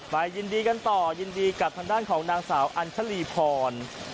ยินดีกันต่อยินดีกับทางด้านของนางสาวอัญชลีพร